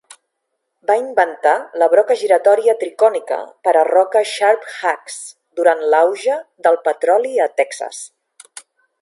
Va inventar la broca giratòria tricònica per a roca "Sharp-Hughes" durant l'auge del petroli a Texas.